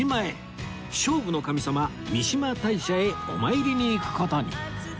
勝負の神様三嶋大社へお参りに行く事に